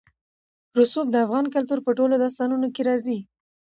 رسوب د افغان کلتور په ټولو داستانونو کې راځي.